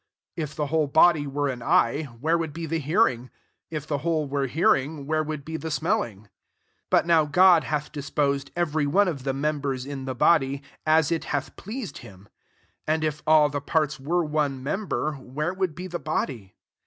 \7 If the whole body were an eye, where would be the hearing ? if the whole were hearing, where would be the smelling ? 18 But now God hath disposed every one of the members in the body, as it hath pleased him. 19 And if all the fiarta were one member, where would be the body